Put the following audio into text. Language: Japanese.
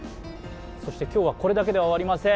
そして、今日はこれだけでは終わりません。